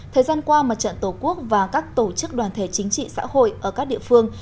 thời gian qua mặt trận tổ quốc và các tổ chức đoàn thể chính trị xã hội ở các địa phương